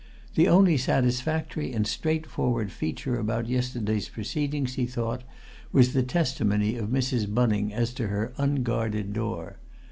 The only satisfactory and straightforward feature about yesterday's proceedings, he thought, was the testimony of Mrs. Bunning as to her unguarded door.